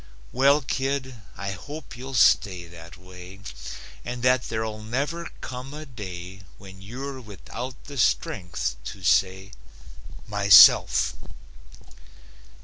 Well, kid, I hope you'll stay that way And that there'll never come a day When you're without the strength to say, "MYSELF!"